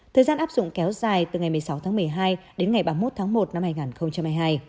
thời gian áp dụng kéo dài từ ngày một mươi sáu tháng một mươi hai đến ngày ba mươi một tháng một năm hai nghìn hai mươi hai